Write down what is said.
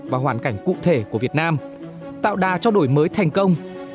và hoàn cảnh cụ thể của việt nam tạo đà cho đổi mới thành công